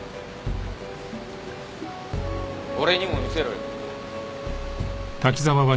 俺にも見せろよ。